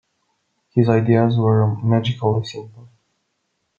His ideas were magically simple.